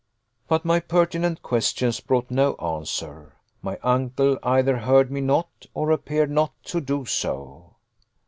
But my pertinent questions brought no answer. My uncle either heard me not, or appeared not to do so.